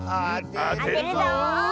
あてるぞ！